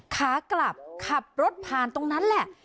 ขากลับขับรถผ่านตรงนั้นแหละ